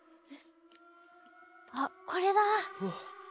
あっこれだ。